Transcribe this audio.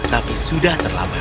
tapi sudah terlambat